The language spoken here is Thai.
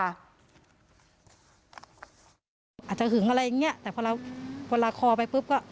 อาจจะหึงอะไรอย่างเงี้ยแต่พอเราพอลาคอไปปุ๊บก็